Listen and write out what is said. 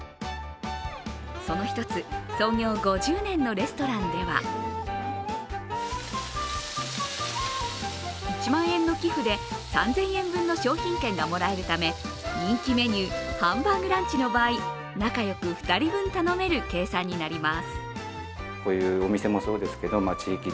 その１つ、創業５０年のレストランでは１万円の寄付で３０００円分の商品券がもらえるため人気メニュー、ハンバーグランチの場合仲良く２人分頼める計算になります。